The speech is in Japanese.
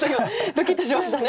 ドキッとしましたね。